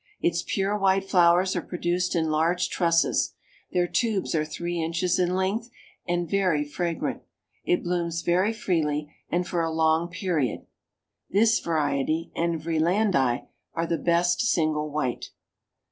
Its pure white flowers are produced in large trusses; their tubes are three inches in length, and very fragrant. It blooms very freely and for a long period. This variety and Vreelandii are the best single white.